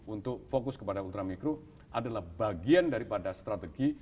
untuk fokus kepada ultramikro adalah bagian daripada strategi